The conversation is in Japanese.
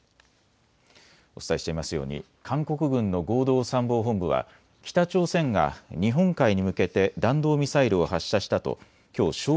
お伝えしていますように韓国軍の合同参謀本部は北朝鮮が日本海に向けて弾道ミサイルを発射したときょう正